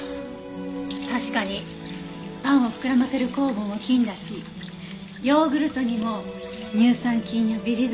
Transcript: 確かにパンを膨らませる酵母も菌だしヨーグルトにも乳酸菌やビフィズス菌が含まれている。